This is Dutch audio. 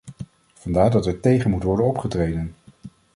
Vandaar dat er tegen moet worden opgetreden..